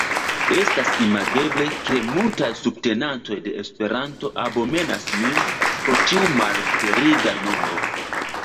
Estas imageble, ke multaj subtenantoj de Esperanto abomenas min pro tiu malesperiga nombro.